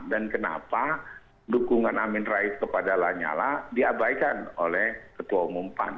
dan kenapa dukungan amin rais kepada lanya lah diabaikan oleh ketua umum pan